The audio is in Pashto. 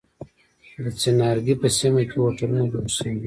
د څنارګی په سیمه کی هوټلونه جوړ شوی دی.